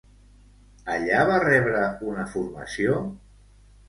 Allà va rebre una formació?